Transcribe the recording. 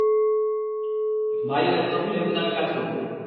ভাই ও এনতপ হিলের গুদামে কাজ করতো।